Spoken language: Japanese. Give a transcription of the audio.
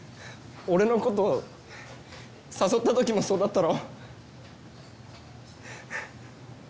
俺のことを誘った時もそうだったろ。